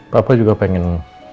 papa juga pengen